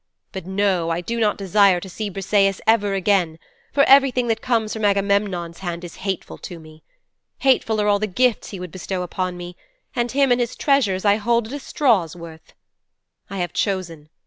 But no, I do not desire to see Briseis ever again, for everything that comes from Agamemnon's hand is hateful to me. Hateful are all the gifts he would bestow upon me, and him and his treasures I hold at a straw's worth. I have chosen.